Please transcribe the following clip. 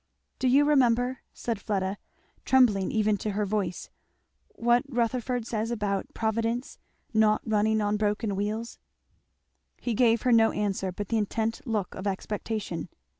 "Do you remember," said Fleda, trembling even to her voice, "what Rutherford says about Providence 'not running on broken wheels'?" He gave her no answer but the intent look of expectation.